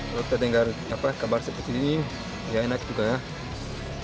kalau kita dengar kabar seperti ini ya enak juga ya